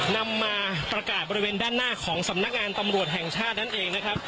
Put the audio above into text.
นำมาประกาศบริเวณด้านหน้าของสำนักงานตำรวจแห่งชาตินั่นเองนะครับ